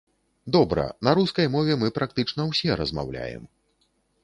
Добра, на рускай мове мы практычна ўсе размаўляем.